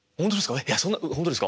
いやそんなほんとですか？